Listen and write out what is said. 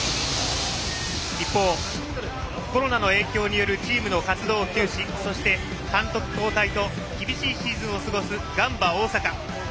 一方、コロナの影響によるチームの活動休止そして、監督交代と厳しいシーズンを過ごすガンバ大阪。